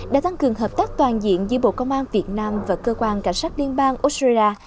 đã tăng cường hợp tác toàn diện giữa bộ công an việt nam và cơ quan cảnh sát liên bang australia